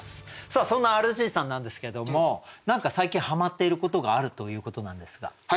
さあそんなＲＧさんなんですけども何か最近はまっていることがあるということなんですが。